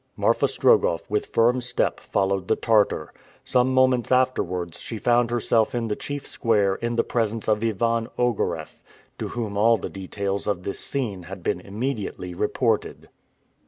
Marfa Strogoff, with firm step, followed the Tartar. Some moments afterwards she found herself in the chief square in the presence of Ivan Ogareff, to whom all the details of this scene had been immediately reported.